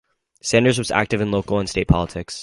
Sanders was active in local and state politics.